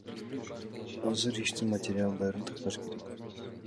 Азыр иштин материалдарын такташ керек.